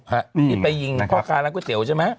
ที่ไปยิงท่อการล๊อกก๋วยเต๋วใช่ไหม